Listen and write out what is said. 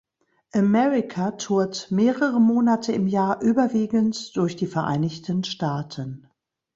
America tourt mehrere Monate im Jahr überwiegend durch die Vereinigten Staaten.